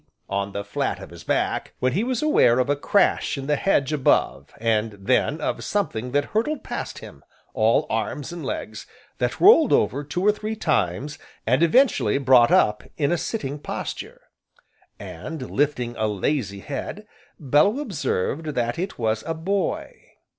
on the flat of his back, when he was aware of a crash in the hedge above, and then, of something that hurtled past him, all arms and legs, that rolled over two or three times, and eventually brought up in a sitting posture; and, lifting a lazy head, Bellew observed that it was a boy.